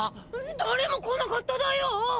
だれも来なかっただよ。